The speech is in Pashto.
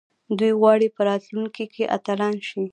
دوی غواړي په راتلونکي کې اتلان شي.